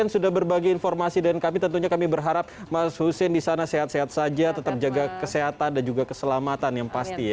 sudah berbagi informasi dan kami tentunya kami berharap mas hussein di sana sehat sehat saja tetap jaga kesehatan dan juga keselamatan yang pasti ya